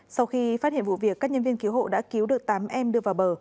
sau khi phát hiện vụ việc các nhân viên cứu hộ đã cứu được tám em đưa vào bờ